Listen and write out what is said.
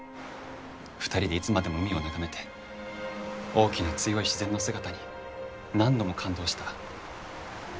２人でいつまでも海を眺めて大きな強い自然の姿に何度も感動した。